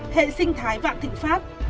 hệ sinh thái vạn thịnh pháp